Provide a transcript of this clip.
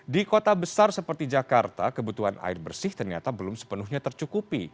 di kota besar seperti jakarta kebutuhan air bersih ternyata belum sepenuhnya tercukupi